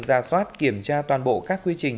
gia soát kiểm tra toàn bộ các quy trình